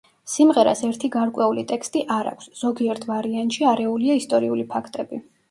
სიმღერას ერთი გარკვეული ტექსტი არ აქვს, ზოგიერთ ვარიანტში არეულია ისტორიული ფაქტები.